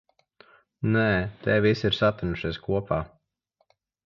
Nē, tie visi ir satinušies kopā.